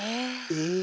え。